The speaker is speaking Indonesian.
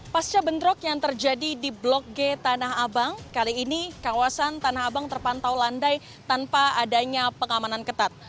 pasca bentrok yang terjadi di blok g tanah abang kali ini kawasan tanah abang terpantau landai tanpa adanya pengamanan ketat